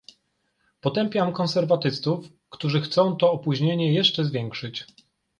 Potępiam konserwatystów, którzy chcą to opóźnienie jeszcze zwiększyć